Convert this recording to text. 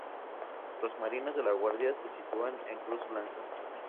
Los Marinos de la Guardia se sitúan en Cruz Blanca.